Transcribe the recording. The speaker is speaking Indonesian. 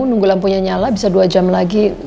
nunggu lampunya nyala bisa dua jam lagi